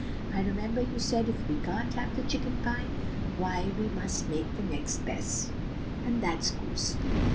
I remember you said, if we can't have chicken pie, why we must take the next best, and that's goose."